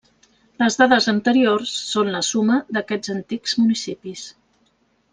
Les dades anteriors són la suma d'aquests antics municipis.